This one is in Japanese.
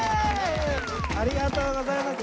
ありがとうございます。